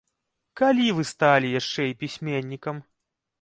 Калі вы сталі яшчэ і пісьменнікам?